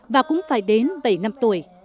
và cũng phải đến năm bảy tuổi